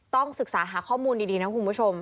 ต้องศึกษาหาข้อมูลดีนะคุณผู้ชม